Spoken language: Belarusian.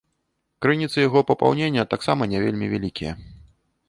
Крыніцы яго папаўнення таксама не вельмі вялікія.